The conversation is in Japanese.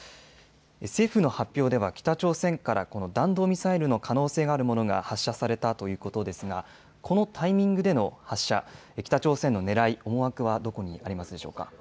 政府の発表では北朝鮮から弾道ミサイルの可能性があるものが発射されたということですがこのタイミングでの発射、北朝鮮のねらい、思惑はどこにありますでしょうか。